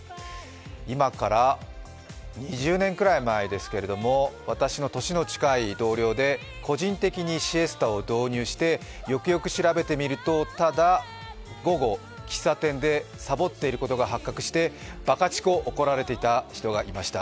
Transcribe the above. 今から２０年くらい前ですけど私の年の近い同僚で個人的にシエスタを導入してよくよく調べてみるとただ、午後、喫茶店でさぼっていることが発覚してばかちこ怒られていた人がいました。